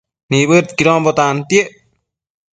Nibëdquidonbo tantiec